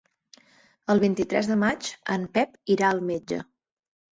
El vint-i-tres de maig en Pep irà al metge.